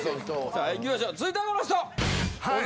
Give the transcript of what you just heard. さあいきましょう続いてはこの人！